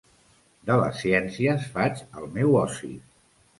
De les ciències faig el meu oci.